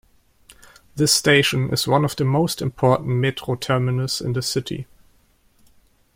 This station is one of the most important metro terminus in the city.